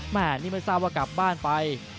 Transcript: แม่นี่ไม่ทราบว่ากลับบ้านไป